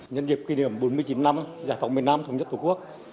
nhân dịp kỷ niệm bốn mươi chín năm giải phóng một mươi năm thống nhất tổ quốc